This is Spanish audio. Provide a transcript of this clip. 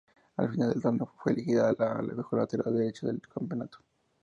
Al final del torneo, fue elegida la mejor lateral derecha del Campeonato.